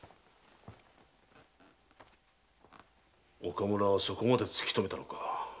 岡村はそこまで突き止めたのか。